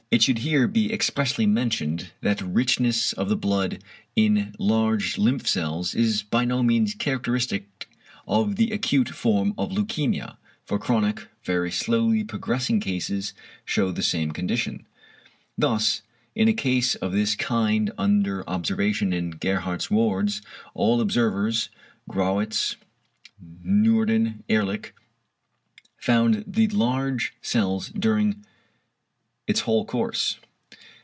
It should here be expressly mentioned, that richness of the blood in large lymph cells, is by no means characteristic of the acute form of leukæmia, for chronic, very slowly progressing cases shew the same condition. Thus in a case of this kind under observation in Gerhardt's wards, all observers (Grawitz, v. Noorden, Ehrlich) found the large cells during its whole course.